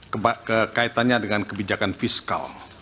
kekaitannya dengan kebijakan fiskal